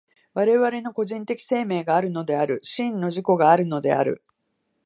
我々の個人的生命があるのである、真の自己があるのである。